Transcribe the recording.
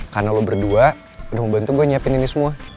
karena lo berdua udah mau bantu gue nyiapin ini semua